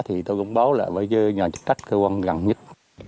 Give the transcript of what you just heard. thì tôi cũng báo lệ với nhờ chức trách cơ quan gần nhất